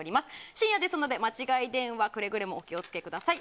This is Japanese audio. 深夜ですので間違い電話くれぐれもお気をつけください。